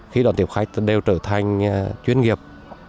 khi đón tiếp khách đều trở thành chuyên nghiệp